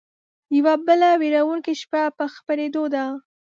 يوه بله وېرونکې شپه په خپرېدو ده